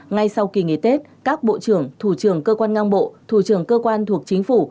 ngay sau kỳ nghỉ tết các bộ trưởng thủ trưởng cơ quan ngang bộ thủ trưởng cơ quan thuộc chính phủ